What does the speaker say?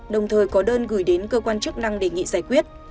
đồng thời có đơn gửi đến cơ quan chức năng đề nghị giải quyết